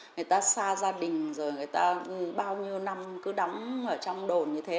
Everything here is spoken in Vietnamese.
người ta xa gia đình rồi người ta bao nhiêu năm cứ đóng ở trong đồn như thế